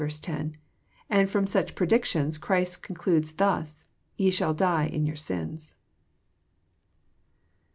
10, and ftrom such predictions Christ concludes thus —* ye shall die In your sins.'